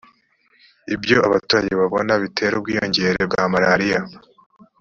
ibyo abaturage babona bigitera ubwiyongere bwa malariya